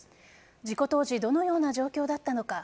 事故当時どのような状況だったのか。